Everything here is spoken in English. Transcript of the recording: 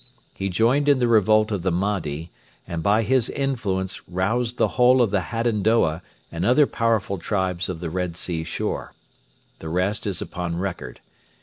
He joined in the revolt of the Mahdi, and by his influence roused the whole of the Hadendoa and other powerful tribes of the Red Sea shore. The rest is upon record.